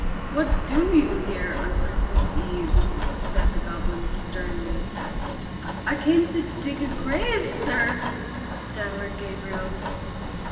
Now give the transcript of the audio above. "What do you here on Christmas Eve?" said the goblin, sternly. "I came to dig a grave, sir," stammered Gabriel.